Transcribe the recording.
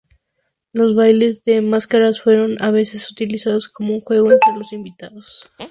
Los bailes de máscaras fueron a veces utilizados como un juego entre los invitados.